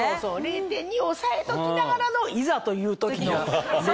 ０．２を押さえときながらのいざという時の０．５。